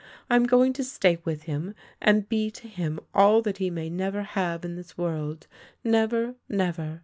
I am going to stay with him, and be to him all that he may never have in this world, never — never.